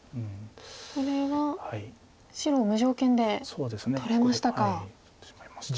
これは白無条件で取れましたか。